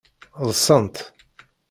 Ḍṣant.